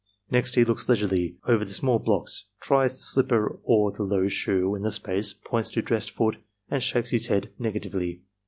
Next he looks leisurely over the small blocks, tries the sUpper or the low shoe in the space, points to dressed foot, and shakes his head negatively.